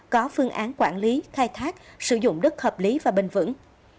có phương án quản lý thai thác sử dụng đất hợp lý và bình vững